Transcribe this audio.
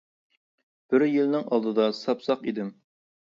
بىر يىلنىڭ ئالدىدا ساپ ساق ئىدىم.